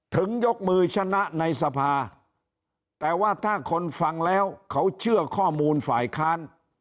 ยกมือชนะในสภาแต่ว่าถ้าคนฟังแล้วเขาเชื่อข้อมูลฝ่ายค้าน